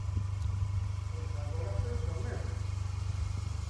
Pois agora penso o mesmo.